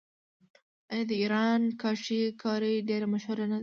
آیا د ایران کاشي کاري ډیره مشهوره نه ده؟